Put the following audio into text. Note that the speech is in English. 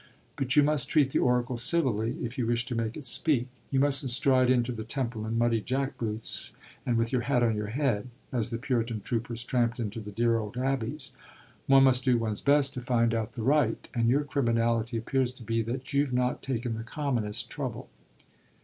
But you must treat the oracle civilly if you wish to make it speak. You mustn't stride into the temple in muddy jack boots and with your hat on your head, as the Puritan troopers tramped into the dear old abbeys. One must do one's best to find out the right, and your criminality appears to be that you've not taken the commonest trouble."